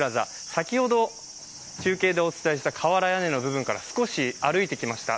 先ほど、中継でお伝えした瓦屋根の部分から少し歩いてきました。